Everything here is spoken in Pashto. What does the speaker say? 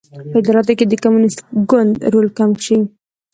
په اداراتو کې د کمونېست ګوند رول کم شي.